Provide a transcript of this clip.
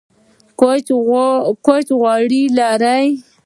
کوچ غوړ لري